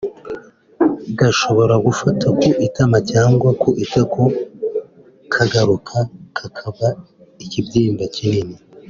gashobora gufata ku itama cyangwa ku itako kagakura kakaba ikibyimba kinini